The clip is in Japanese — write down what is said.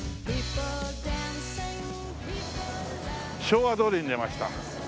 昭和通りに出ました。